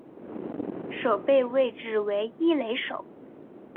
守备位置为一垒手。